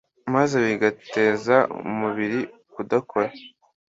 maze bigateza umubiri kudakora.